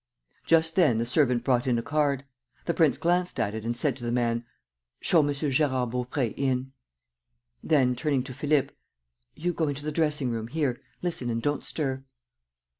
Just then the servant brought in a card. The prince glanced at it and said to the man: "Show M. Gérard Baupré in." Then, turning to Philippe: "You go into the dressing room, here; listen and don't stir."